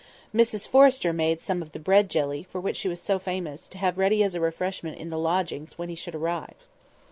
Mrs Forrester made some of the bread jelly, for which she was so famous, to have ready as a refreshment in the lodgings when he should arrive.